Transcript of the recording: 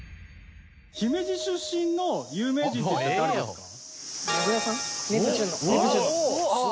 姫路出身の有名人といえば誰ですか？